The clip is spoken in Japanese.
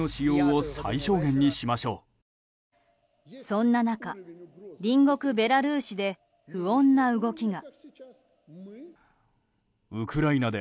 そんな中、隣国ベラルーシで不穏な動きが。